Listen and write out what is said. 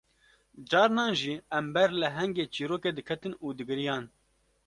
Carnan jî em ber lehengê çîrokê diketin û digiriyan